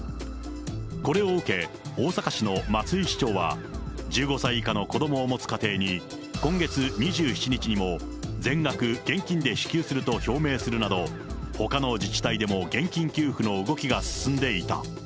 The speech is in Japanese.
これを受け、大阪市の松井市長は、１５歳以下の子どもを持つ家庭に、今月２７日にも、全額現金で支給すると表明するなど、ほかの自治体でも現金給付の動きが進んでいた。